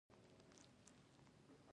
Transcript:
د بلخ پوهنتون په مزار کې دی